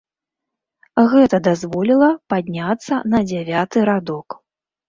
Гэта дазволіла падняцца на дзявяты радок.